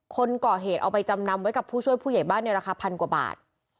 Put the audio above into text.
คนก่อเหตุเอาไปจำนำไว้กับผู้ช่วยผู้ใหญ่บ้านในราคาพันกว่าบาท